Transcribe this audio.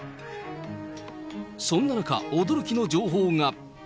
そんな中、驚きの情報が。